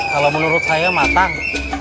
kalau menurut saya matang